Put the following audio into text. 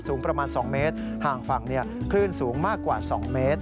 สูงประมาณ๒เมตรห่างฝั่งคลื่นสูงมากกว่า๒เมตร